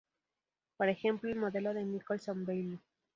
Por ejemplo, el modelo de Nicholson-Bailey.